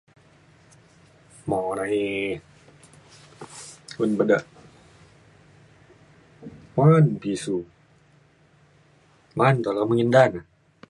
monai un pe de' ma'an pisu, ma'an te lo mengin da ne.